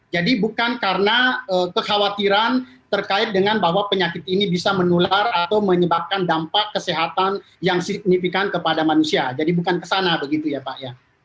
jadi bukan karena kekhawatiran terkait dengan bahwa penyakit ini bisa menular atau menyebabkan dampak kesehatan yang signifikan kepada manusia jadi bukan kesana begitu ya pak